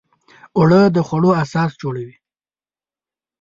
اوړه د خوړو اساس جوړوي